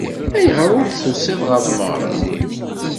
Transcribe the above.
Ayɣer ur d-tusiḍ ɣer tmeɣra?